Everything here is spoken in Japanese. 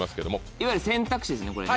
いわゆる選択肢ですよねこれ。